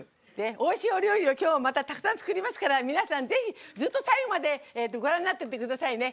おいしいお料理を今日はたくさん作りますから皆さん、ぜひずっと最後までご覧になっていってくださいね。